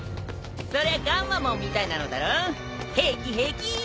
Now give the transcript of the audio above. そりゃガンマモンみたいなのだろ平気平気。